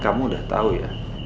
kamu udah tahu ya